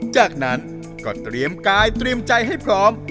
จากนั้นก็เตรียมกายเตรียมใจให้พร้อม